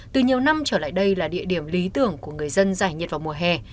từ nhiều năm trở lại đây là địa điểm lý tưởng của người dân giải nhiệt vào mùa hè